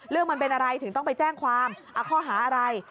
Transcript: มันเป็นอะไรถึงต้องไปแจ้งความเอาข้อหาอะไร